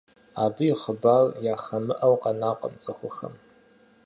Абы и хъыбар яхэмыӀуэу къэнакъым цӀыхухэм.